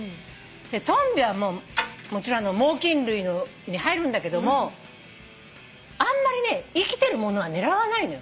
トンビはもちろん猛きん類に入るんだけどもあんまりね生きてるものは狙わないのよ。